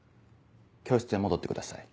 教室へ戻ってください。